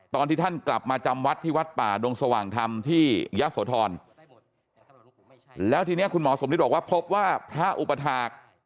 ตอนที่ท่านกลับมาจำวัดที่วัดป่าดงสว่างธรรมที่ยะโสธรแล้วทีนี้คุณหมอสมฤทธิ์บอกว่าพบว่าพระอุปถาค